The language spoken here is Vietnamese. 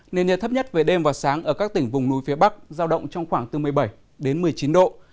nền nhiệt thấp nhất về đêm và sáng ở các tỉnh vùng núi phía bắc giao động trong khoảng bốn mươi bảy một mươi chín độ